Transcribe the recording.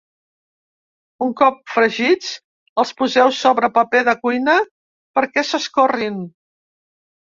Un cop fregits els poseu sobre paper de cuina perquè s’escorrin.